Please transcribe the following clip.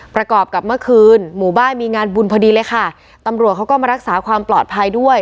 ประกอบกับเมื่อคืนหมู่บ้านมีงานบุญพอดีเลยค่ะตำรวจเขาก็มารักษาความปลอดภัยด้วย